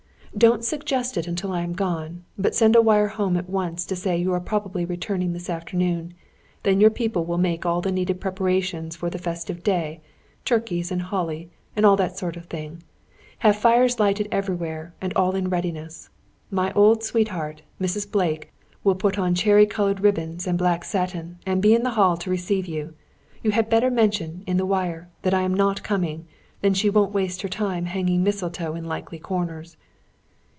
Don't suggest it until I am gone; but send a wire home at once to say you are probably returning this afternoon. Then your people will make all needed preparations for the festive day; turkeys and holly, and all that sort of thing; have fires lighted everywhere, and all in readiness. My old sweetheart, Mrs. Blake, will put on cherry coloured ribbons, and black satin, and be in the hall to receive you! You had better mention, in the wire, that I am not coming; then she won't waste her time hanging mistletoe in likely corners."